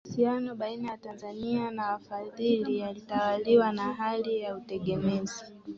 Mahusiano baina ya Tanzania na wafadhili yalitawaliwa na hali ya utegemezi